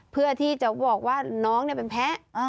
เพื่อที่จะบอกว่าน้องเป็นแพ้